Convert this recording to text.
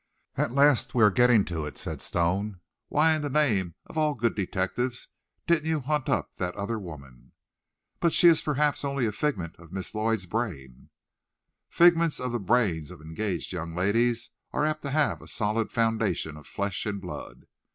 "At last we are getting to it," said Stone; "why in the name of all good detectives, didn't you hunt up that other woman?" "But she is perhaps only a figment of Miss Lloyd's brain." "Figments of the brains of engaged young ladies are apt to have a solid foundation of flesh and blood.